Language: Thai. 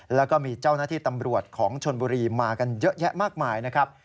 แล้วก็มีเจ้าหน้าที่ตำรวจของชนบุรีมากันเยอะแยะมากมายนะครับ